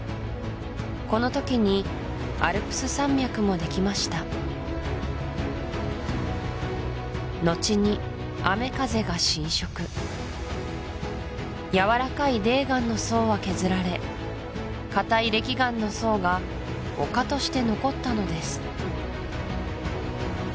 この時にアルプス山脈もできましたのちに雨風が浸食やわらかい泥岩の層は削られ硬い礫岩の層が丘として残ったのです